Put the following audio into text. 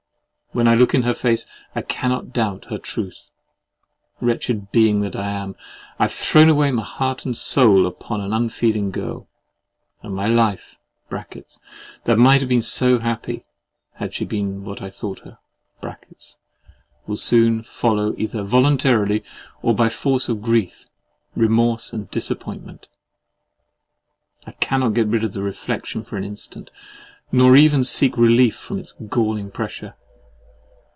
When I look in her face, I cannot doubt her truth! Wretched being that I am! I have thrown away my heart and soul upon an unfeeling girl; and my life (that might have been so happy, had she been what I thought her) will soon follow either voluntarily, or by the force of grief, remorse, and disappointment. I cannot get rid of the reflection for an instant, nor even seek relief from its galling pressure.